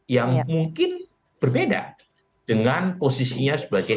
yang mungkin berbeda dengan posisinya sebagai